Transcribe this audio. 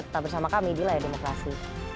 tetap bersama kami di layar demokrasi